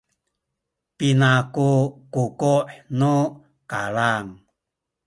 pina ku kuku’ nu kalang?